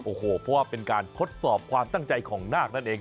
โอ้โหเพราะว่าเป็นการทดสอบความตั้งใจของนาคนั่นเอง